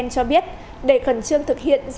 cho biết để khẩn trương thực hiện